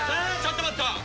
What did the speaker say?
ちょっと待った！